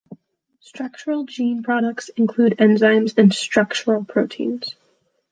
Structural gene products include enzymes and structural proteins.